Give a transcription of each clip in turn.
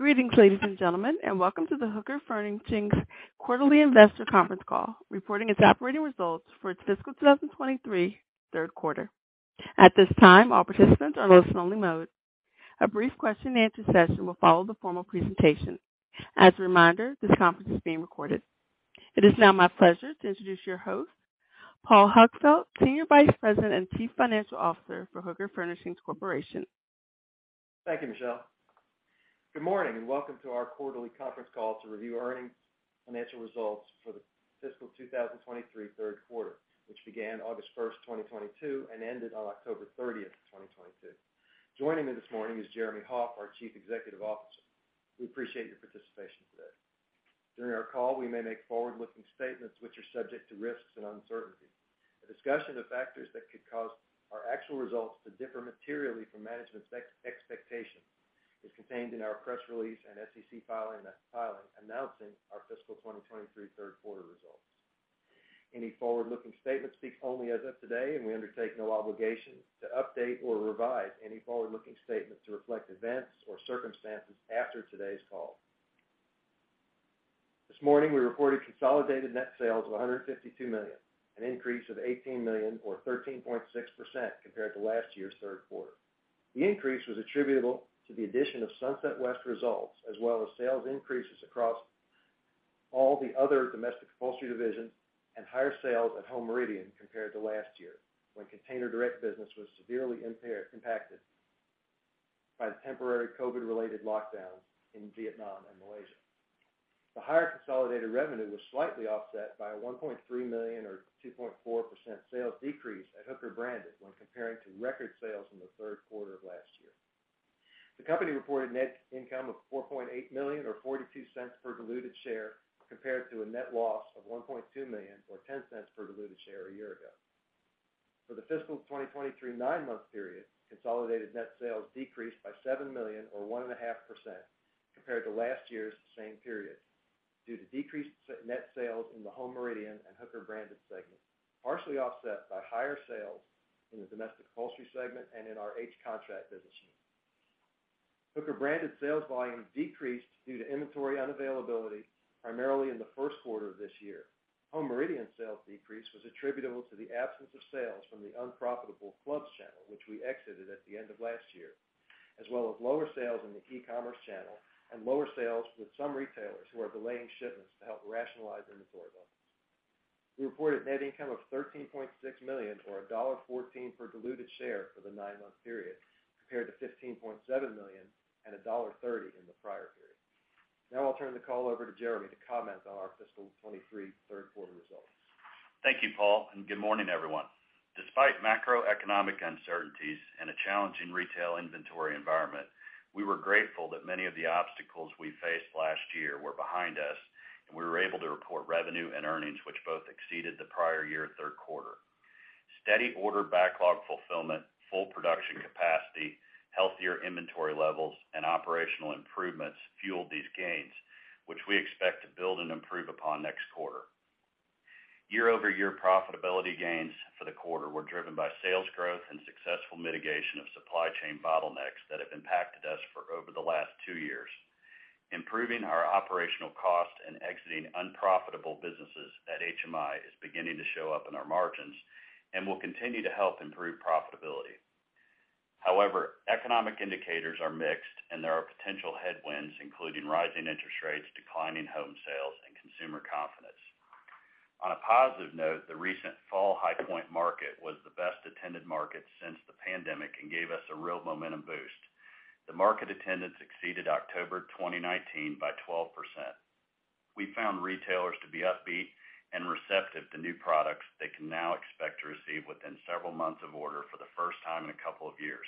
Greetings, ladies and gentlemen, and welcome to the Hooker Furnishings quarterly investor conference call, reporting its operating results for its fiscal 2023 third quarter. At this time, all participants are in listen only mode. A brief question-and-answer session will follow the formal presentation. As a reminder, this conference is being recorded. It is now my pleasure to introduce your host, Paul Huckfeldt, Senior Vice President and Chief Financial Officer for Hooker Furnishings Corporation. Thank you, Michelle. Good morning, and welcome to our quarterly conference call to review earnings financial results for the fiscal 2023 third quarter, which began August 1st, 2022 and ended on October 30th, 2022. Joining me this morning is Jeremy Hoff, our Chief Executive Officer. We appreciate your participation today. During our call, we may make forward-looking statements which are subject to risks and uncertainties. A discussion of factors that could cause our actual results to differ materially from management's expectation is contained in our press release and SEC filing announcing our fiscal 2023 third quarter results. Any forward-looking statements speak only as of today, and we undertake no obligation to update or revise any forward-looking statements to reflect events or circumstances after today's call. This morning, we reported consolidated net sales of $152 million, an increase of $18 million or 13.6% compared to last year's third quarter. The increase was attributable to the addition of Sunset West results, as well as sales increases across all the other domestic upholstery divisions and higher sales at Home Meridian compared to last year, when Container Direct business was severely impacted by the temporary COVID-related lockdowns in Vietnam and Malaysia. The higher consolidated revenue was slightly offset by a $1.3 million or 2.4% sales decrease at Hooker Branded when comparing to record sales in the third quarter of last year. The company reported net income of $4.8 million or $0.42 per diluted share, compared to a net loss of $1.2 million or $0.10 per diluted share a year ago. For the fiscal 2023 nine-month period, consolidated net sales decreased by $7 million or 1.5% compared to last year's same period due to decreased net sales in the Home Meridian and Hooker Branded segment, partially offset by higher sales in the domestic upholstery segment and in our H Contract business unit. Hooker Branded sales volume decreased due to inventory unavailability, primarily in the first quarter of this year. Home Meridian sales decrease was attributable to the absence of sales from the unprofitable clubs channel, which we exited at the end of last year, as well as lower sales in the e-commerce channel and lower sales with some retailers who are delaying shipments to help rationalize inventory levels. We reported net income of $13.6 million or $1.14 per diluted share for the nine-month period, compared to $15.7 million and $1.30 in the prior period. I'll turn the call over to Jeremy to comment on our fiscal 2023 third quarter results. Thank you, Paul, good morning, everyone. Despite macroeconomic uncertainties and a challenging retail inventory environment, we were grateful that many of the obstacles we faced last year were behind us, and we were able to report revenue and earnings, which both exceeded the prior year third quarter. Steady order backlog fulfillment, full production capacity, healthier inventory levels, and operational improvements fueled these gains, which we expect to build and improve upon next quarter. Year-over-year profitability gains for the quarter were driven by sales growth and successful mitigation of supply chain bottlenecks that have impacted us for over the last two years. Improving our operational cost and exiting unprofitable businesses at HMI is beginning to show up in our margins and will continue to help improve profitability. However, economic indicators are mixed, and there are potential headwinds, including rising interest rates, declining home sales, and consumer confidence. On a positive note, the recent fall High Point Market was the best-attended market since the pandemic and gave us a real momentum boost. The market attendance exceeded October 2019 by 12%. We found retailers to be upbeat and receptive to new products they can now expect to receive within several months of order for the first time in a couple of years.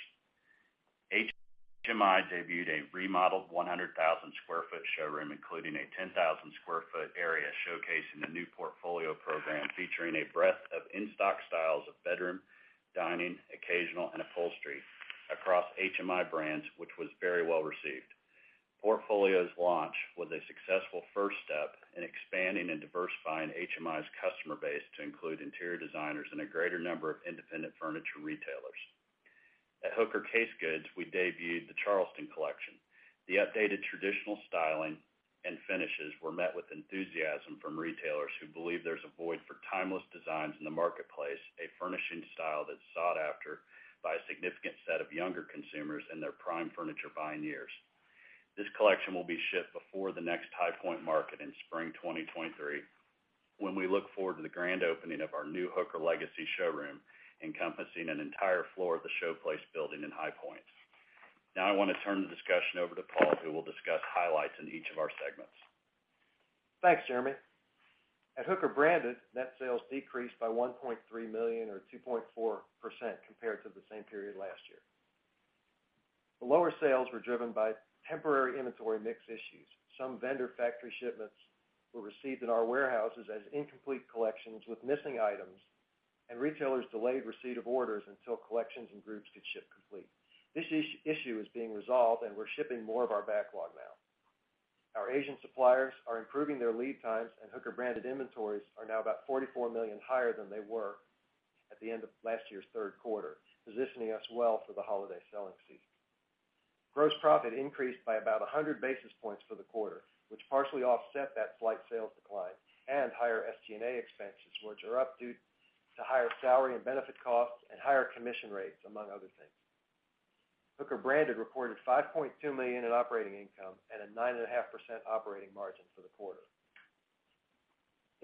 HMI debuted a remodeled 100,000 sq ft showroom, including a 10,000 sq ft area showcasing the new Portfolio program, featuring a breadth of in-stock styles of bedroom, dining, occasional, and upholstery across HMI brands, which was very well received. Portfolio's launch was a successful first step in expanding and diversifying HMI's customer base to include interior designers and a greater number of independent furniture retailers. At Hooker Furniture, we debuted the Charleston Collection. The updated traditional styling and finishes were met with enthusiasm from retailers who believe there's a void for timeless designs in the marketplace, a furnishing style that's sought after by a significant set of younger consumers in their prime furniture buying years. This collection will be shipped before the next High Point Market in spring 2023, when we look forward to the grand opening of our new Hooker Legacy showroom, encompassing an entire floor of the Showplace building in High Point. Now I wanna turn the discussion over to Paul, who will discuss highlights in each of our segments. Thanks, Jeremy. At Hooker Branded, net sales decreased by $1.3 million or 2.4% compared to the same period last year. The lower sales were driven by temporary inventory mix issues. Some vendor factory shipments were received in our warehouses as incomplete collections with missing items, and retailers delayed receipt of orders until collections and groups could ship complete. This issue is being resolved, and we're shipping more of our backlog now. Our Asian suppliers are improving their lead times and Hooker Branded inventories are now about $44 million higher than they were at the end of last year's third quarter, positioning us well for the holiday selling season. Gross profit increased by about 100 basis points for the quarter, which partially offset that slight sales decline and higher SG&A expenses, which are up due to higher salary and benefit costs and higher commission rates, among other things. Hooker Branded reported $5.2 million in operating income and a 9.5% operating margin for the quarter.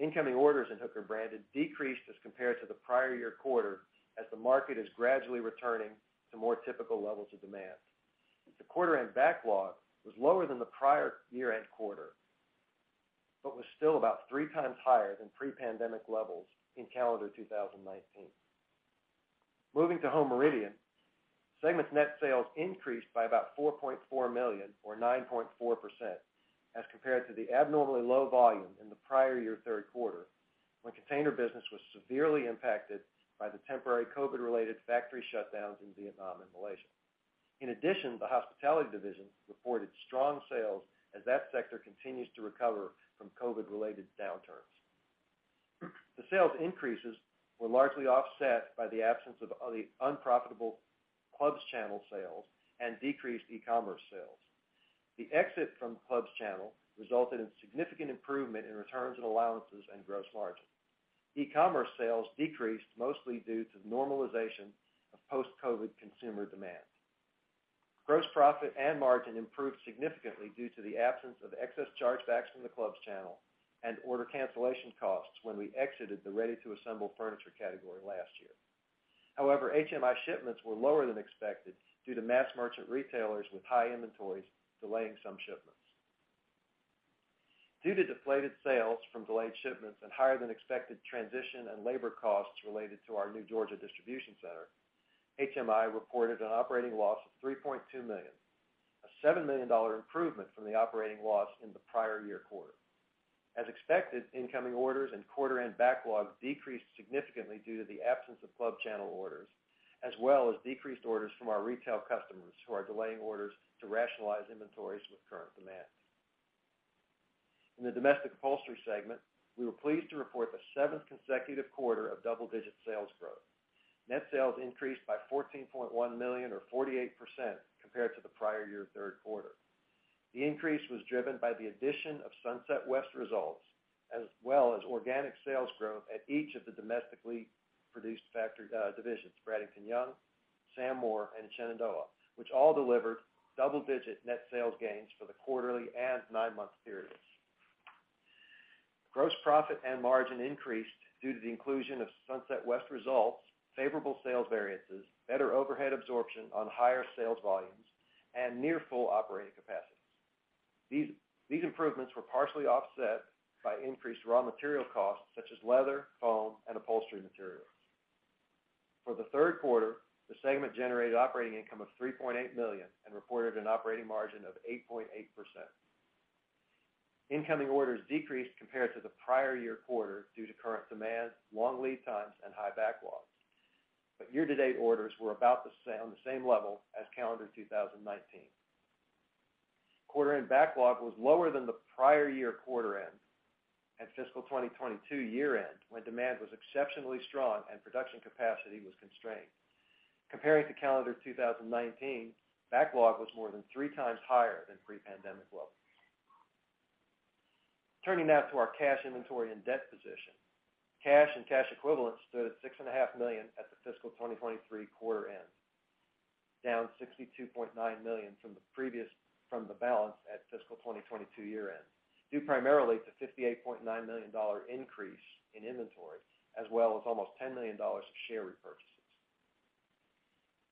Incoming orders in Hooker Branded decreased as compared to the prior year quarter as the market is gradually returning to more typical levels of demand. The quarter end backlog was lower than the prior year-end quarter, but was still about 3x higher than pre-pandemic levels in calendar 2019. Moving to Home Meridian, segment's net sales increased by about $4.4 million or 9.4% as compared to the abnormally low volume in the prior year 3rd quarter when container business was severely impacted by the temporary COVID-related factory shutdowns in Vietnam and Malaysia. In addition, the hospitality division reported strong sales as that sector continues to recover from COVID-related downturns. The sales increases were largely offset by the absence of the unprofitable clubs channel sales and decreased e-commerce sales. The exit from clubs channel resulted in significant improvement in returns and allowances and gross margin. E-commerce sales decreased mostly due to normalization of post-COVID consumer demand. Gross profit and margin improved significantly due to the absence of excess chargebacks from the clubs channel and order cancellation costs when we exited the ready-to-assemble furniture category last year. However, HMI shipments were lower than expected due to mass merchant retailers with high inventories delaying some shipments. Due to deflated sales from delayed shipments and higher than expected transition and labor costs related to our new Georgia distribution center, HMI reported an operating loss of $3.2 million, a $7 million improvement from the operating loss in the prior year quarter. As expected, incoming orders and quarter end backlog decreased significantly due to the absence of club channel orders, as well as decreased orders from our retail customers who are delaying orders to rationalize inventories with current demand. In the domestic upholstery segment, we were pleased to report the seventh consecutive quarter of double-digit sales growth. Net sales increased by $14.1 million or 48% compared to the prior year third quarter. The increase was driven by the addition of Sunset West results as well as organic sales growth at each of the domestically produced factory divisions, Bradington-Young, Sam Moore, and Shenandoah, which all delivered double-digit net sales gains for the quarterly and nine-month periods. Gross profit and margin increased due to the inclusion of Sunset West results, favorable sales variances, better overhead absorption on higher sales volumes, and near full operating capacities. These improvements were partially offset by increased raw material costs such as leather, foam, and upholstery materials. For the third quarter, the segment generated operating income of $3.8 million and reported an operating margin of 8.8%. Incoming orders decreased compared to the prior year quarter due to current demand, long lead times, and high backlogs. Year-to-date orders were about on the same level as calendar 2019. Quarter-end backlog was lower than the prior year quarter-end and fiscal 2022 year-end when demand was exceptionally strong and production capacity was constrained. Comparing to calendar 2019, backlog was more than 3x higher than pre-pandemic levels. Turning now to our cash inventory and debt position. Cash and cash equivalents stood at six and a half million at the fiscal 2023 quarter-end, down $62.9 million from the balance at fiscal 2022 year-end, due primarily to $58.9 million increase in inventory as well as almost $10 million of share repurchases.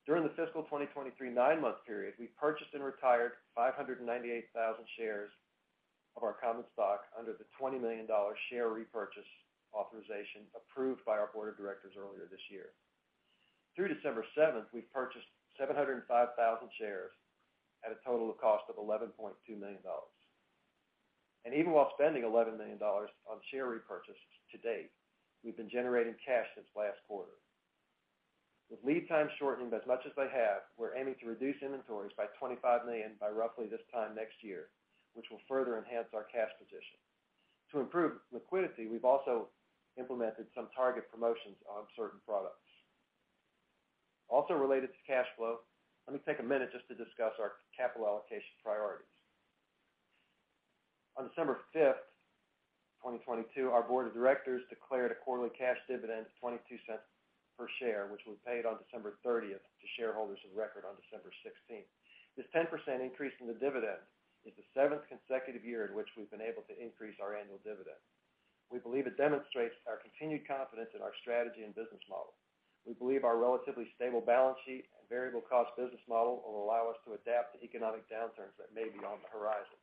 During the fiscal 2023 nine-month period, we purchased and retired 598,000 shares of our common stock under the $20 million share repurchase authorization approved by our board of directors earlier this year. Through December 7th, we've purchased 705,000 shares at a total cost of $11.2 million. Even while spending $11 million on share repurchases to date, we've been generating cash since last quarter. With lead times shortened as much as they have, we're aiming to reduce inventories by $25 million by roughly this time next year, which will further enhance our cash position. To improve liquidity, we've also implemented some target promotions on certain products. Related to cash flow, let me take a minute just to discuss our capital allocation priorities. On December 5th, 2022, our board of directors declared a quarterly cash dividend of $0.22 per share, which was paid on December 30th to shareholders of record on December 16th. This 10% increase in the dividend is the seventh consecutive year in which we've been able to increase our annual dividend. We believe it demonstrates our continued confidence in our strategy and business model. We believe our relatively stable balance sheet and variable cost business model will allow us to adapt to economic downturns that may be on the horizon.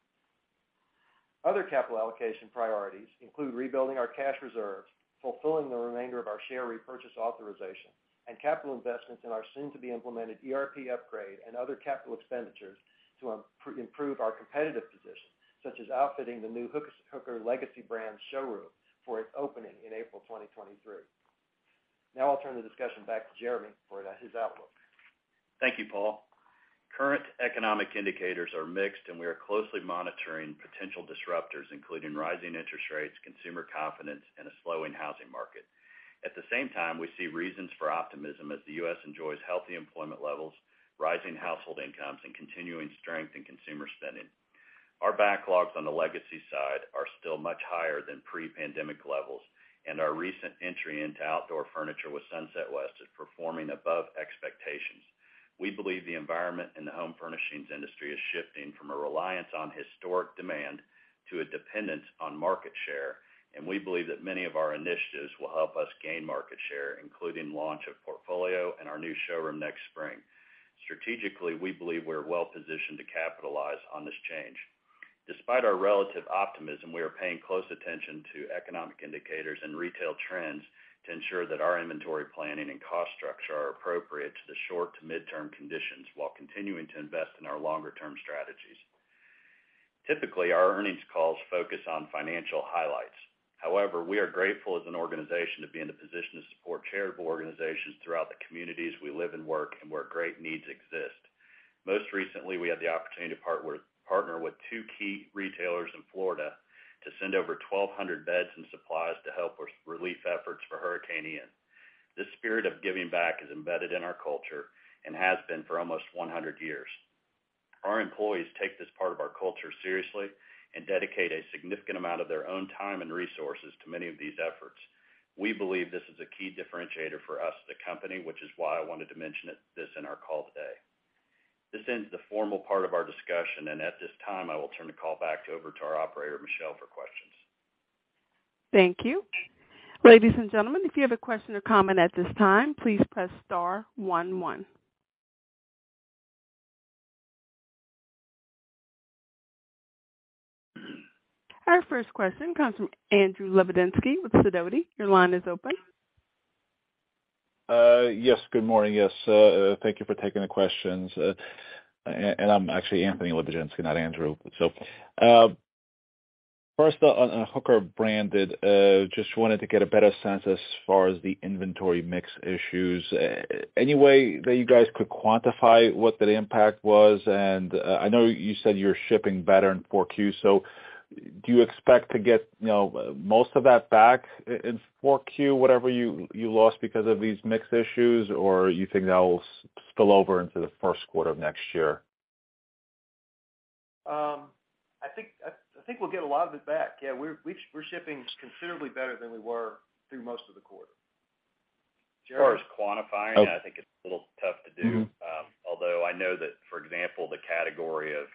Other capital allocation priorities include rebuilding our cash reserves, fulfilling the remainder of our share repurchase authorization, and capital investments in our soon-to-be-implemented ERP upgrade and other capital expenditures to improve our competitive position, such as outfitting the new Hooker Legacy brand showroom for its opening in April 2023. I'll turn the discussion back to Jeremy for his outlook. Thank you, Paul. Current economic indicators are mixed, and we are closely monitoring potential disruptors, including rising interest rates, consumer confidence, and a slowing housing market. At the same time, we see reasons for optimism as the U.S. enjoys healthy employment levels, rising household incomes, and continuing strength in consumer spending. Our backlogs on the Legacy side are still much higher than pre-pandemic levels, and our recent entry into outdoor furniture with Sunset West is performing above expectations. We believe the environment in the home furnishings industry is shifting from a reliance on historic demand to a dependence on market share, and we believe that many of our initiatives will help us gain market share, including launch of Portfolio and our new showroom next spring. Strategically, we believe we're well-positioned to capitalize on this change. Despite our relative optimism, we are paying close attention to economic indicators and retail trends to ensure that our inventory planning and cost structure are appropriate to the short to mid-term conditions while continuing to invest in our longer-term strategies. Typically, our earnings calls focus on financial highlights. We are grateful as an organization to be in the position to support charitable organizations throughout the communities we live and work and where great needs exist. Most recently, we had the opportunity to partner with two key retailers in Florida to send over 1,200 beds and supplies to help with relief efforts for Hurricane Ian. This spirit of giving back is embedded in our culture and has been for almost 100 years. Our employees take this part of our culture seriously and dedicate a significant amount of their own time and resources to many of these efforts. We believe this is a key differentiator for us, the company, which is why I wanted to mention it, this in our call today. This ends the formal part of our discussion, and at this time, I will turn the call back over to our operator, Michelle, for questions. Thank you. Ladies and gentlemen, if you have a question or comment at this time, please press star 11. Our first question comes from Andrew Lebiedzinski with Sidoti & Company. Your line is open. Good morning. Yes, thank you for taking the questions. I'm actually Anthony Lebiedzinski, not Andrew. First on Hooker Branded, just wanted to get a better sense as far as the inventory mix issues. Any way that you guys could quantify what the impact was? I know you said you're shipping better in 4Q. Do you expect to get, you know, most of that back in 4Q, whatever you lost because of these mix issues, or you think that will spill over into the first quarter of next year? I think we'll get a lot of it back. We're shipping considerably better than we were through most of the quarter. As far as quantifying, I think it's a little tough to do. Mm-hmm. Although I know that, for example, the category of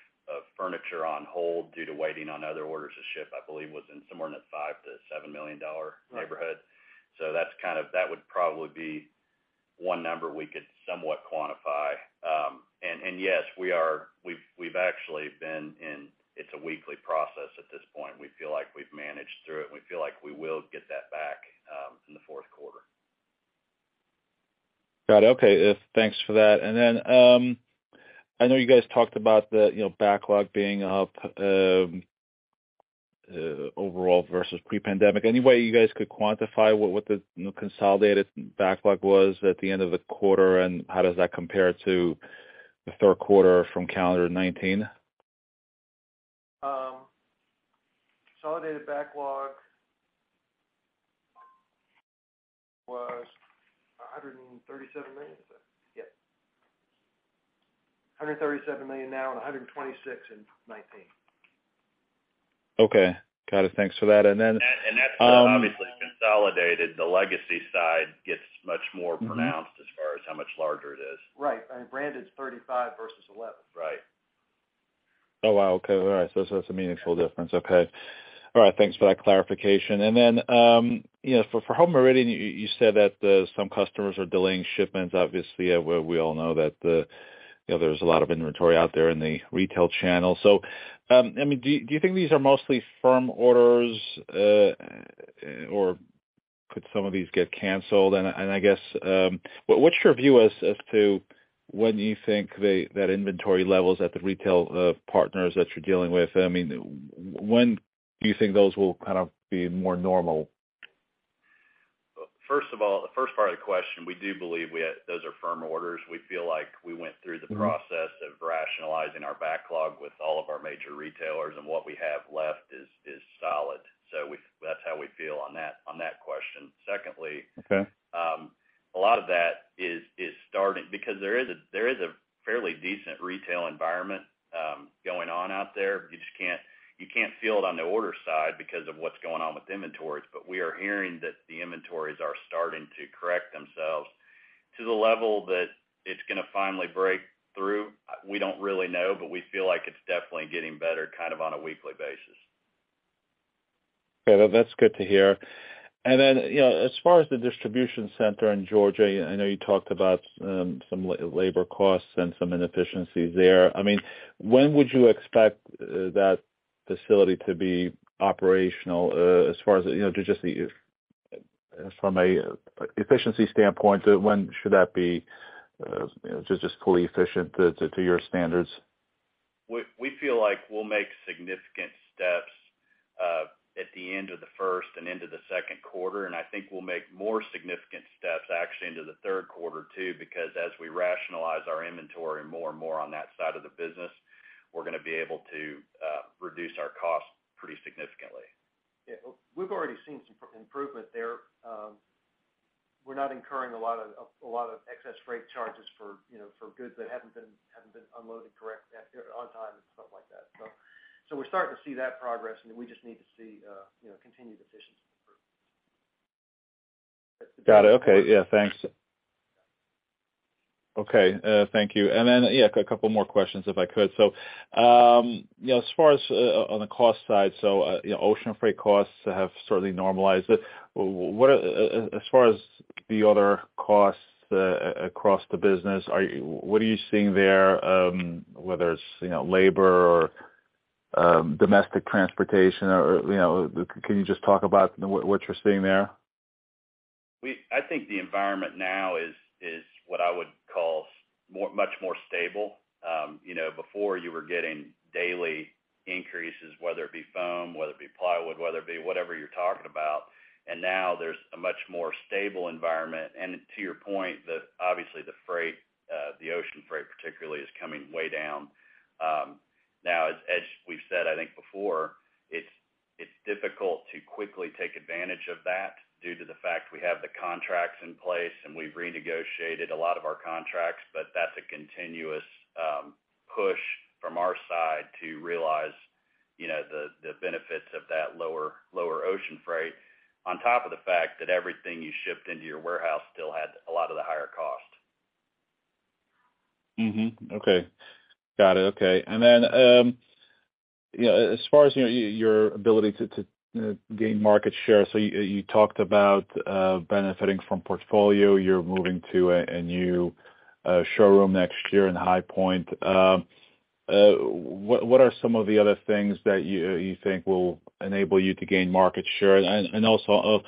furniture on hold due to waiting on other orders to ship, I believe, was in somewhere in the $5 million-$7 million neighborhood. Right. That would probably be one number we could somewhat quantify. Yes, we've actually been in... It's a weekly process at this point. We feel like we've managed through it. We feel like we will get that back in the fourth quarter. Got it. Okay. Thanks for that. Then, I know you guys talked about the, you know, backlog being up, overall versus pre-pandemic. Any way you guys could quantify what the, you know, consolidated backlog was at the end of the quarter, and how does that compare to the third quarter from calendar 2019? Consolidated backlog was $137 million. Is that? Yep. $137 million now and $126 in 2019. Okay. Got it. Thanks for that. That's obviously consolidated. The Legacy side gets much more pronounced as far as how much larger it is. Right. Brand is 35 versus 11. Right. Oh, wow. Okay. All right. That's a meaningful difference. Okay. All right. Thanks for that clarification. Then, you know, for Home Meridian, you said that some customers are delaying shipments. Obviously, we all know that there's a lot of inventory out there in the retail channel. I mean, do you think these are mostly firm orders, or could some of these get canceled? I guess, what's your view as to when you think that inventory levels at the retail partners that you're dealing with, I mean, when do you think those will kind of be more normal? First of all, the first part of the question, we do believe those are firm orders. We feel like we went through the process of rationalizing our backlog with all of our major retailers, and what we have left is solid. That's how we feel on that question. Secondly. Okay. A lot of that is starting because there is a fairly decent retail environment going on out there. You just can't, you can't feel it on the order side because of what's going on with inventories. We are hearing that the inventories are starting to correct themselves to the level that it's gonna finally break through. We don't really know, but we feel like it's definitely getting better kind of on a weekly basis. Okay. That's good to hear. You know, as far as the distribution center in Georgia, I know you talked about some labor costs and some inefficiencies there. I mean, when would you expect that facility to be operational, as far as, you know, to just, from a efficiency standpoint, when should that be just fully efficient to your standards? We feel like we'll make significant steps at the end of the first and into the second quarter. I think we'll make more significant steps actually into the third quarter too, because as we rationalize our inventory more and more on that side of the business, we're gonna be able to reduce our costs pretty significantly. Yeah. We've already seen some improvement there. We're not incurring a lot of excess freight charges for, you know, for goods that haven't been unloaded correct, on time and stuff like that. We're starting to see that progress, we just need to see, you know, continued efficiency improvements. Got it. Okay. Yeah, thanks. Okay, thank you. Yeah, a couple more questions if I could. You know, as far as on the cost side, you know, ocean freight costs have certainly normalized. As far as the other costs across the business, what are you seeing there, whether it's, you know, labor or domestic transportation or, you know, can you just talk about what you're seeing there? I think the environment now is what I would call much more stable. You know, before, you were getting daily increases, whether it be foam, whether it be plywood, whether it be whatever you're talking about. Now there's a much more stable environment. To your point that obviously the freight, the ocean freight particularly is coming way down. Now as we've said, I think before, it's difficult to quickly take advantage of that due to the fact we have the contracts in place and we've renegotiated a lot of our contracts, but that's a continuous push from our side to realize, you know, the benefits of that lower ocean freight on top of the fact that everything you shipped into your warehouse still had a lot of the higher cost. Okay. Got it. Okay. You know, as far as your ability to gain market share, you talked about benefiting from Portfolio. You're moving to a new showroom next year in High Point. What are some of the other things that you think will enable you to gain market share? Also,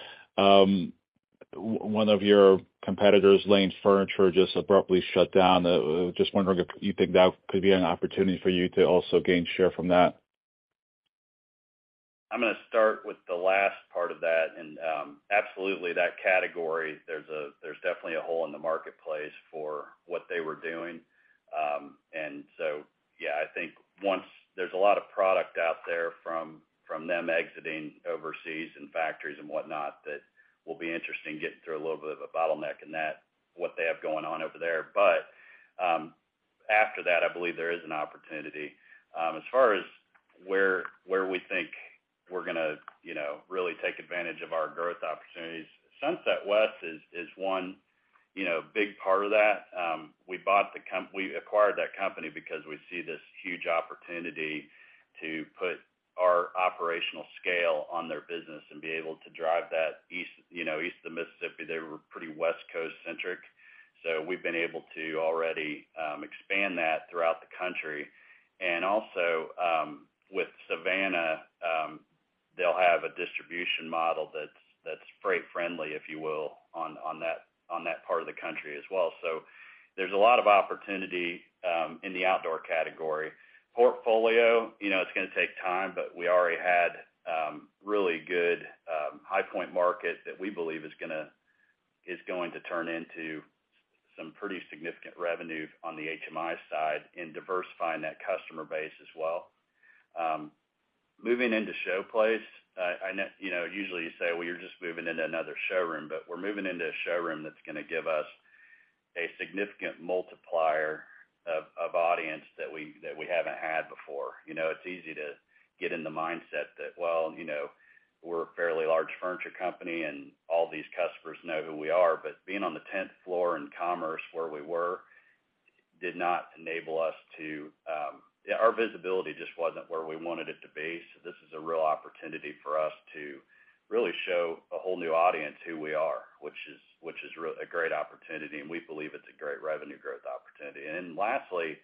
one of your competitors, Lane Furniture, just abruptly shut down. Just wondering if you think that could be an opportunity for you to also gain share from that. I'm gonna start with the last part of that. Absolutely, that category, there's definitely a hole in the marketplace for what they were doing. Yeah, I think once there's a lot of product out there from them exiting overseas and factories and whatnot, that will be interesting getting through a little bit of a bottleneck in that, what they have going on over there. After that, I believe there is an opportunity. As far as where we think we're gonna, you know, really take advantage of our growth opportunities, Sunset West is one, you know, big part of that. We bought we acquired that company because we see this huge opportunity to put our operational scale on their business and be able to drive that east, you know, east of Mississippi. They were pretty West Coast-centric. We've been able to already expand that throughout the country. Also, with Savannah, they'll have a distribution model that's freight-friendly, if you will, on that, on that part of the country as well. There's a lot of opportunity in the outdoor category. Portfolio, you know, it's gonna take time, but we already had really good High Point Market that we believe is going to turn into some pretty significant revenue on the HMI side in diversifying that customer base as well. Moving into Showplace, I know, you know, usually you say, well, you're just moving into another showroom, but we're moving into a showroom that's gonna give us a significant multiplier of audience that we, that we haven't had before. You know, it's easy to get in the mindset that, well, you know, we're a fairly large furniture company and all these customers know who we are, but being on the tenth floor in Commerce & Design where we were did not enable us to. Our visibility just wasn't where we wanted it to be. This is a real opportunity for us to really show a whole new audience who we are, which is a great opportunity, and we believe it's a great revenue growth opportunity. Lastly,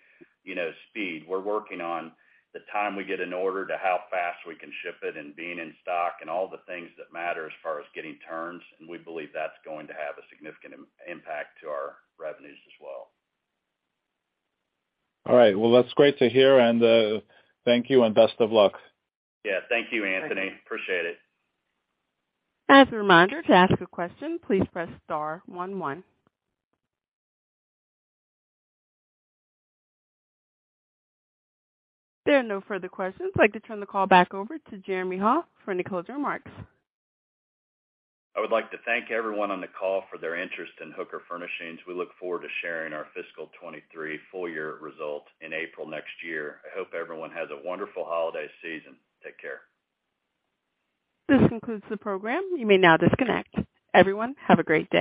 you know, speed. We're working on the time we get an order to how fast we can ship it and being in stock and all the things that matter as far as getting turns, and we believe that's going to have a significant impact to our revenues as well. All right. Well, that's great to hear, and, thank you and best of luck. Yeah. Thank you, Anthony. Appreciate it. As a reminder, to ask a question, please press star one one. There are no further questions. I'd like to turn the call back over to Jeremy Hoff for any closing remarks. I would like to thank everyone on the call for their interest in Hooker Furnishings. We look forward to sharing our fiscal 23 full year results in April next year. I hope everyone has a wonderful holiday season. Take care. This concludes the program. You may now disconnect. Everyone, have a great day.